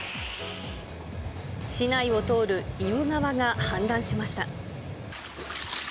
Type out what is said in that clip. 市内を通る意宇川が氾濫しました。